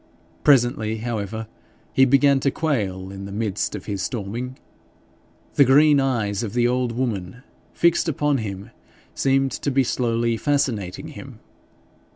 Presently, however, he began to quail in the midst of his storming. The green eyes of the old woman, fixed upon him, seemed to be slowly fascinating him.